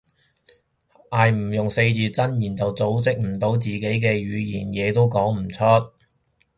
係唔用四字真言就組織唔到自己嘅語言，嘢都講唔出